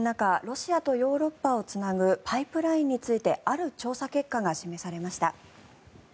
ロシアとヨーロッパをつなぐパイプラインについてある調査結果が示されました。